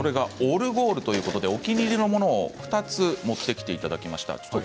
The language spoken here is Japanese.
オルゴールということでお気に入りのものを２つ持ってきていただきました。